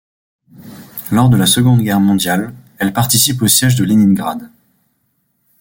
Lors de la Seconde Guerre mondiale, elle participe au siège de Leningrad.